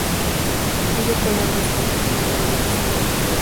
Es de color gris con una tonalidad roja sobre todo por el lomo.